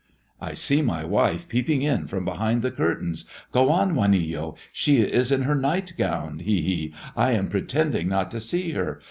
"I see my wife peeping in from behind the curtains. Go on, Juanillo. She is in her night gown, he, he! I am pretending not to see her.